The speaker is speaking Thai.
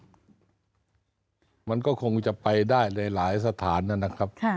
อันนี้เราจะไปคาดคิดมันก็คงจะไปได้ในหลายสถานนะครับ